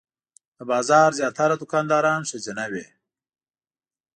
د بازار زیاتره دوکانداران ښځینه وې.